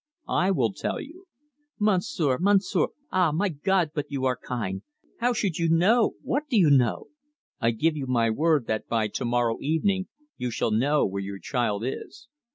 "I will tell you." "Monsieur Monsieur ah, my God, but you are kind! How should you know what do you know?" "I give you my word that by to morrow evening you shall know where your child is."